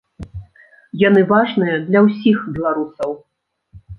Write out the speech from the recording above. Яны важныя для ўсіх беларусаў.